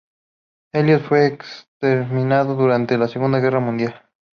Eliot fue exterminado durante la Segunda Guerra Mundial.